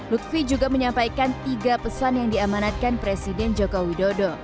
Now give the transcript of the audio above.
lutfi juga menyampaikan tiga pesan yang diamanatkan presiden joko widodo